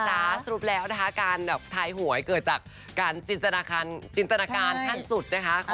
สรุปแล้วนะคะการทายหวยเกิดจากการจินตนาการขั้นสุดนะคะ